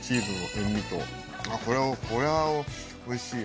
これはおいしいや。